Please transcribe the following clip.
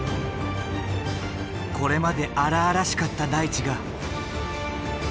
これまで荒々しかった大地が。